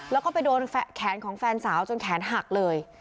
แล้วก็ไปโดนแขนของแฟนสาวจนแขนหักเลย